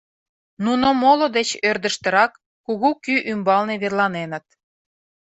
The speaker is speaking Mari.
Нуно моло деч ӧрдыжтырак, кугу кӱ ӱмбалне, верланеныт.